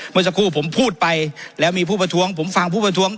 เมื่อสักครู่ผมพูดไปแล้วมีผู้ประท้วงผมฟังผู้ประท้วง